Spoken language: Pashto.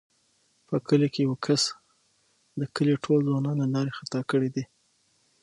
په کلي کې یوه کس د کلي ټوله ځوانان له لارې خطا کړي دي.